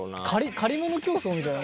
借り物競走みたいだね。